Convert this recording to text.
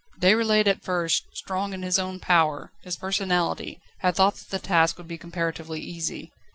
Déroulède at first, strong in his own power, his personality, had thought that the task would be comparatively easy.